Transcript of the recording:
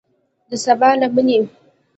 د سبا لمنې